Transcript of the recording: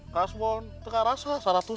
kasbon teka rasa seratus dua ratus seratus dua ratus